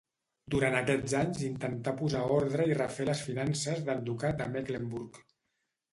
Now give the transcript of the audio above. Durant aquests anys intentà posar ordre i refer les finances del ducat de Mecklenburg.